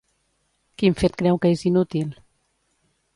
Quin fet creu que és inútil?